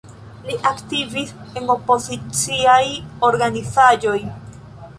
Li aktivis en opoziciaj organizaĵoj.